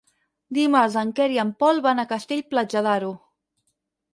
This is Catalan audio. Dimarts en Quer i en Pol van a Castell-Platja d'Aro.